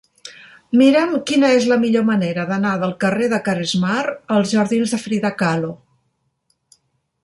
Mira'm quina és la millor manera d'anar del carrer de Caresmar als jardins de Frida Kahlo.